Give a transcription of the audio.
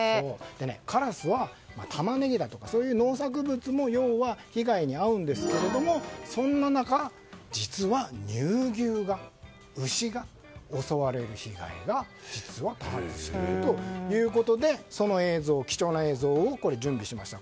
カラスはタマネギだとかそういう農作物も被害に遭うんですけれどもそんな中、実は乳牛が牛が、襲われる被害が多発しているということでその貴重な映像を準備しました。